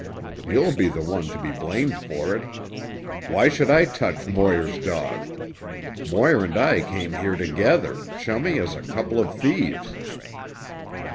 You'll be the one to be blamed for it. Why should I touch Moir's dog? Moir and I came here together, chummy as a couple of thieves."